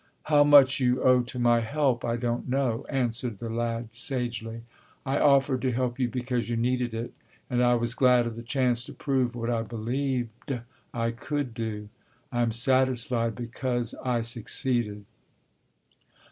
"How much you owe to my help, I don't know," answered the lad sagely. "I offered to help you because you needed it, and I was glad of the chance to prove what I believed I could do. I'm satisfied because I succeeded."